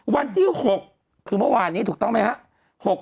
วันที่๖คือเมื่อวานนี้ถูกต้องไหมครับ